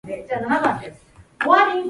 好き